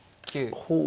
ほう。